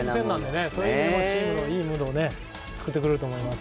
そういう意味でもチームのいいムードを作ってくれると思います。